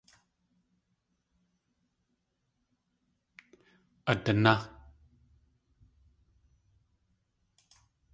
Adaná.